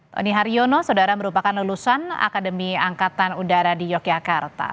tony haryono saudara merupakan lulusan akademi angkatan udara di yogyakarta